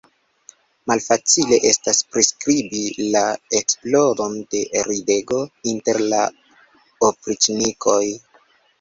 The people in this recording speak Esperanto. Malfacile estas priskribi la eksplodon de ridego inter la opriĉnikoj.